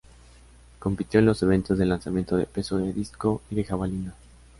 Compitió en los eventos de lanzamiento de peso, de disco y de jabalina.